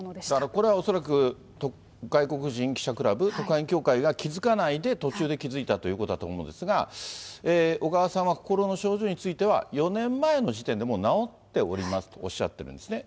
これは恐らく、外国人記者クラブ、特派員協会が気付かないで、途中で気付いたということだと思うんですが、小川さんは心の症状については、４年前の時点でもう治っておりますと、おっしゃってるんですね。